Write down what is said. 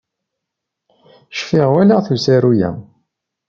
Cfiɣ walaɣ-t usaru-ya.